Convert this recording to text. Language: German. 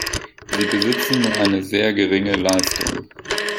Sie besitzen nur eine sehr geringe Leistung.